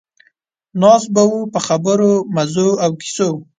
ناست به وو په خبرو، مزو او کیسو.